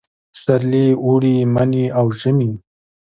پسرلي، اوړي، مني او ژمي